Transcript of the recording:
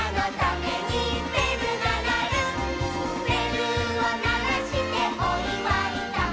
「べるをならしておいわいだ」